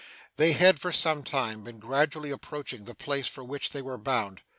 They had, for some time, been gradually approaching the place for which they were bound.